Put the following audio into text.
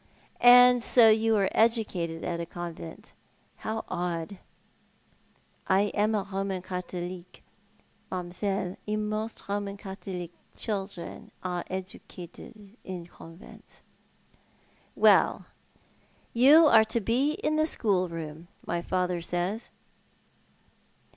"And so you were educated at a convent ? How odd !" "I am a Eoman Catholic, mam'selle, and most Eoman Catholic children are educated in convents." " Well, you are to be in the schoolroom, my father says."